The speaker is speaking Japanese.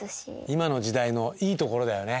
今の時代のいいところだよね。